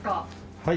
はい。